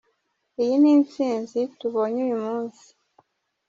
Iyi ni intsinzi tubonye uyu munsi.